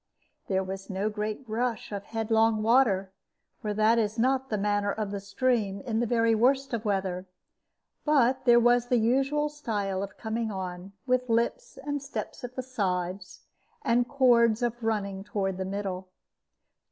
There was no great rush of headlong water, for that is not the manner of the stream in the very worst of weather; but there was the usual style of coming on, with lips and steps at the sides, and cords of running toward the middle.